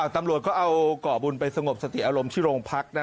ตำรวจก็เอาก่อบุญไปสงบสติอารมณ์ที่โรงพักนะ